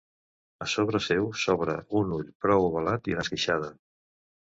A sobre seu s'obre un ull prou ovalat i en esqueixada.